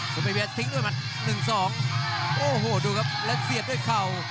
ซุปเปอร์เบียร์ทิ้งด้วยมา๑๒โอ้โหดูครับแล้วเสียบด้วยเข่า